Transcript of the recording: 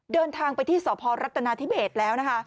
เดินทางไปที่สรัฐนาธิเวทย์แล้ว